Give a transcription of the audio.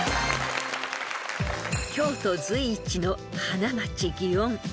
［京都随一の花街］